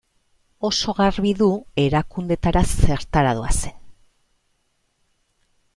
Oso garbi du erakundeetara zertara doazen.